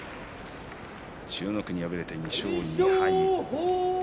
千代の国、敗れて２勝２敗。